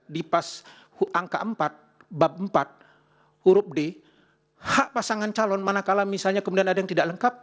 di pas angka empat bab empat huruf d hak pasangan calon manakala misalnya kemudian ada yang tidak lengkap